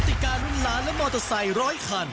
ติการุ้นล้านและมอเตอร์ไซค์ร้อยคัน